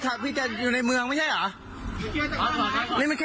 ททบั่นพี่เจนอยู่ในเมืองไม่ใช่อ่านี่เข็มมา